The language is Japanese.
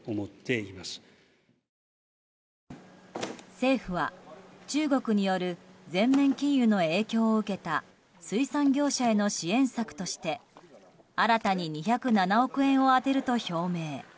政府は、中国による全面禁輸の影響を受けた水産業者への支援策として新たに２０７億円を充てると表明。